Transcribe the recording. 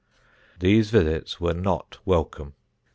These visits were not welcome.